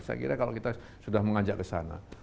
saya kira kalau kita sudah mengajak kesana